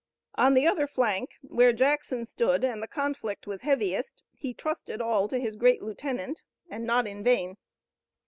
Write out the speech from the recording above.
On the other flank where Jackson stood and the conflict was heaviest he trusted all to his great lieutenant and not in vain.